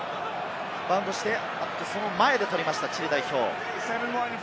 バウンドしてその前で取りましたチリ代表。